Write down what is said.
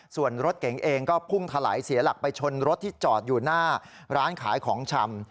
ส่วนรถเก๋งเองก็พุ่งถลายเสียหลักไปชนรถที่จอดอยู่หน้าร้านขายของชำ